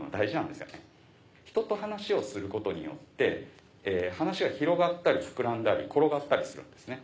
人と話をすることによって話が広がったり膨らんだり転がったりするんですね。